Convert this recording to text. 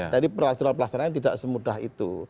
jadi peraturan pelaksanaan tidak semudah itu